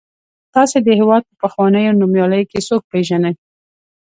تاسې د هېواد په پخوانیو نومیالیو کې څوک پیژنئ.